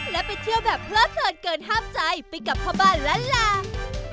และไปเที่ยวแบบเพลิดเพลินเกินห้ามใจไปกับพ่อบ้านล้านลา